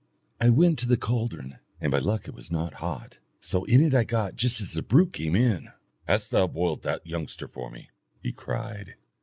I went to the caldron, and by luck it was not hot, so in it I got just as the brute came in. 'Hast thou boiled that youngster for me?' he cried.